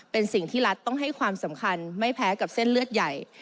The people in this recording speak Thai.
เป็นสิ่งที่รัฐต้องให้ความสำคัญไม่แพ้กับเส้นเลือดใหญ่